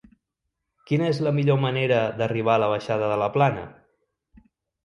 Quina és la millor manera d'arribar a la baixada de la Plana?